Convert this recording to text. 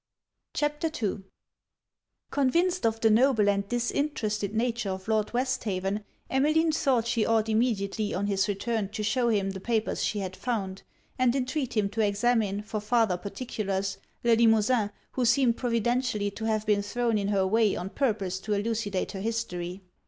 ] CHAPTER II Convinced of the noble and disinterested nature of Lord Westhaven, Emmeline thought she ought immediately on his return to shew him the papers she had found, and entreat him to examine, for farther particulars, Le Limosin, who seemed providentially to have been thrown in her way on purpose to elucidate her history.